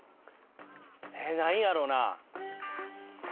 えなんやろうな？